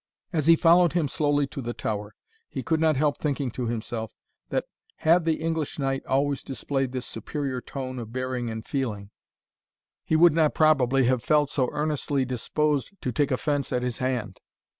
As he followed him slowly to the tower, he could not help thinking to himself, that, had the English knight always displayed this superior tone of bearing and feeling, he would not probably have felt so earnestly disposed to take offence at his hand.